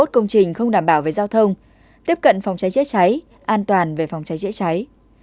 hai mươi công trình không đảm bảo về giao thông tiếp cận phòng cháy chữa cháy an toàn về phòng cháy chữa cháy